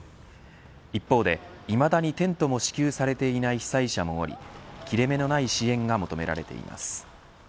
一方で、いまだにテントも支給されていない被災者もおり切れ目のない支援が求められています。